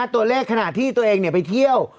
ตัวเลขขณะที่ตัวเองไปเที่ยว